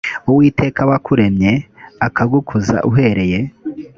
uwiteka wakuremye akagukuza uhereye